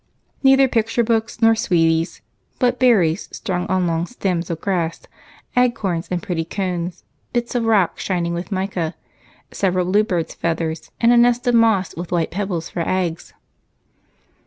Neither picture books nor sweeties, but berries strung on long stems of grass, acorns, and pretty cones, bits of rock shining with mica, several bluebirds' feathers, and a nest of moss with white pebbles for eggs.